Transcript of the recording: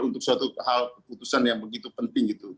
untuk suatu hal keputusan yang begitu penting gitu